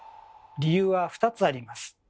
理由は２つあります。